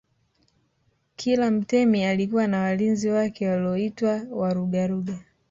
Kila mtemi alikuwa na walinzi wake walioitwa Warugaruga